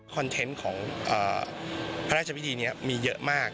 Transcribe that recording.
เทนต์ของพระราชพิธีนี้มีเยอะมาก